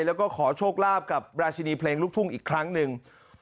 แล้วก็ขอโชคลาภกับราชินีเพลงลูกทุ่งอีกครั้งหนึ่ง